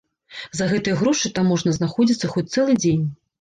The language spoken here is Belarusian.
За гэтыя грошы там можна знаходзіцца хоць цэлы дзень.